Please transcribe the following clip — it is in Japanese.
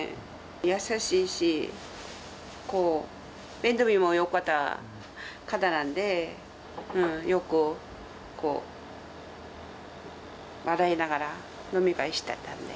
優しいし、こう、面倒見もよかった方なんで、よくこう、笑いながら飲み会してたね。